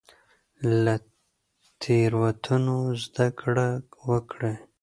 له تېروتنو زده کړه وکړئ.